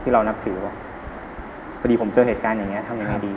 เรานับถือพอดีผมเจอเหตุการณ์อย่างนี้ทำยังไงดี